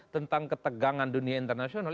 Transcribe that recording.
tentang ketegangan dunia internasional